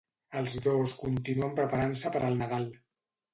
Els dos continuen preparant-se per al Nadal.